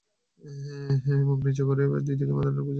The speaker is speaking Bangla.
মুখ নিচু করেই দুই দিকে মাথা নেড়ে বুঝিয়ে দিল তার চুড়ি লাগবে।